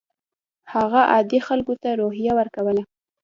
هغه عادي خلکو ته روحیه ورکوله.